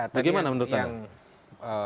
bagaimana menurut anda